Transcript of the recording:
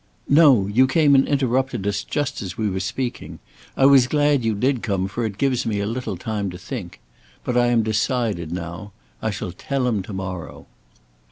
"No! you came and interrupted us just as we were speaking. I was glad you did come, for it gives me a little time to think. But I am decided now. I shall tell him to morrow."